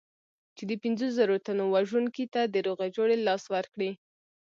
چې د پنځو زرو تنو وژونکي ته د روغې جوړې لاس ورکړي.